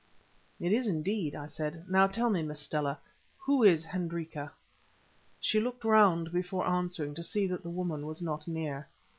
"It is indeed," I said. "Now tell me, Miss Stella, who is Hendrika?" She looked round before answering to see that the woman was not near.